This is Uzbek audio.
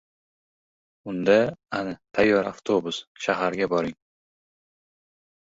— Unda, ana, tayyor avtobus, shaharga boring!